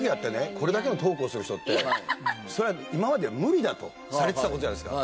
これだけのトークをする人ってそれは今までは無理だとされてた事じゃないですか。